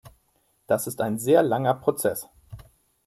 Das ist ein sehr langer Prozess.